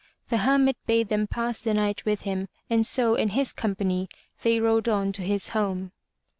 The Hermit bade them pass the night with him and so in his company they rode on to his home.